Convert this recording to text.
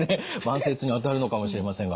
慢性痛にあたるのかもしれませんが。